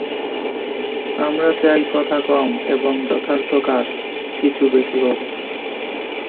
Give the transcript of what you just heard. আমরা চাই কথা কম এবং যথার্থ কাজ কিছু বেশী হউক।